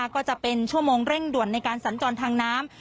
ก็จะเป็นชั่วโมงเร่งด่วนในการสัญจรทางน้ำ